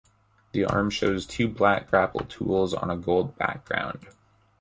The arms show two black grapple tools on a gold background.